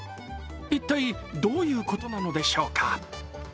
一体、どういうことなのでしょうか？